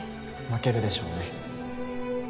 負けるでしょうね。